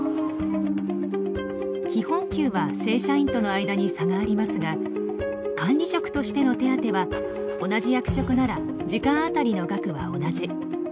基本給は正社員との間に差がありますが管理職としての手当は同じ役職なら時間あたりの額は同じ。